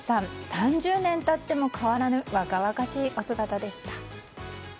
３０年経っても変わらぬ若々しいお姿でした。